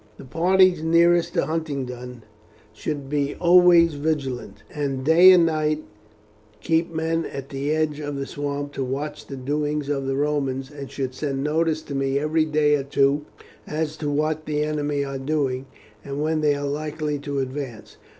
"The parties nearest to Huntingdon should be always vigilant, and day and night keep men at the edge of the swamp to watch the doings of the Romans, and should send notice to me every day or two as to what the enemy are doing, and when they are likely to advance.